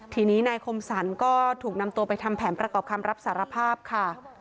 ทีนี้นายคมสรรก็ถูกนำตัวไปทำแผนประกอบคำรับสารภาพค่ะ